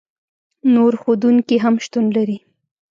نور ښودونکي هم شتون لري.